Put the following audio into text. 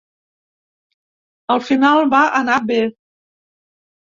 Al final va anar bé.